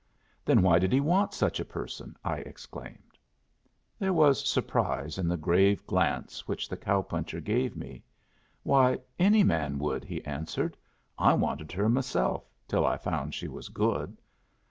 "Then why did he want such a person?" I exclaimed. There was surprise in the grave glance which the cow puncher gave me. "Why, any man would," he answered. "I wanted her myself, till I found she was good."